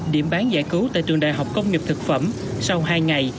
điểm bán giải cứu tại trường đại học công nghiệp thực phẩm sau hai ngày